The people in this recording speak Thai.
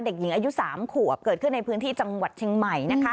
เด็กหญิงอายุ๓ขวบเกิดขึ้นในพื้นที่จังหวัดเชียงใหม่นะคะ